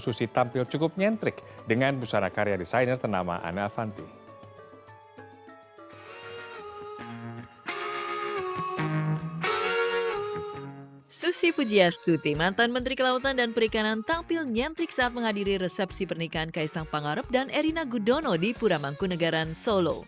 susi pujiastuti mantan menteri kelautan dan perikanan tampil nyentrik saat menghadiri resepsi pernikahan kaisang pangarep dan erina gudono di puramangku negara solo